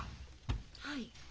はい。